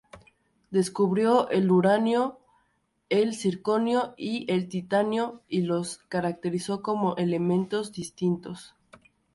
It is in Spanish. Descubrió el uranio, el circonio y el titanio, y los caracterizó como elementos distintos.